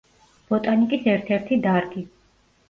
ბოტანიკის ერთ-ერთი დარგი.